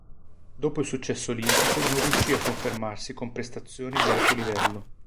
Dopo il successo olimpico non riuscì a confermarsi con prestazioni di alto livello.